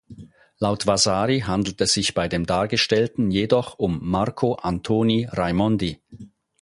Laut Vasari handelt es sich bei dem Dargestellten jedoch um Marco Antoni Raimondi.